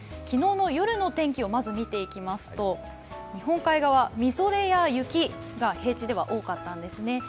昨日の夜のお天気をまず見ていきますと日本海側、みぞれや雪が平地では多かったんですね。